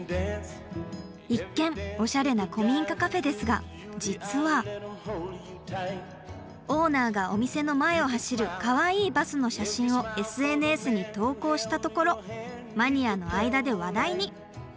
一見おしゃれな古民家カフェですが実はオーナーがお店の前を走るかわいいバスの写真をＳＮＳに投稿したところマニアの間で話題に。